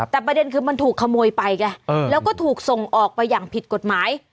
แต่ประเด็นคือมันถูกขโมยไปไงแล้วก็ถูกส่งออกไปอย่างผิดกฎหมาย